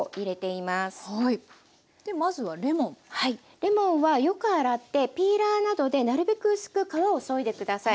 レモンはよく洗ってピーラーなどでなるべく薄く皮をそいで下さい。